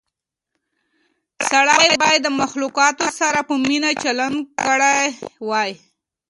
سړی باید د مخلوقاتو سره په مینه چلند کړی وای.